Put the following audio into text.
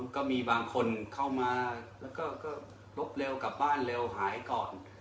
ก็มีบางคนเข้ามาแล้วก็ลบเร็วกลับบ้านเร็วหายก่อน